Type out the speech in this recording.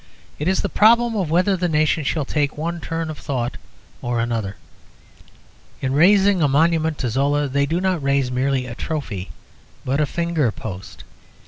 It is the problem of whether the nation shall take one turn of thought or another. In raising a monument to Zola they do not raise merely a trophy, but a finger post.